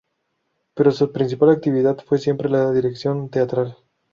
Pero su principal actividad fue siempre la dirección teatral.